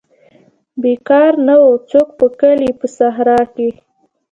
بیکار نه وو څوک په کلي په صحرا کې.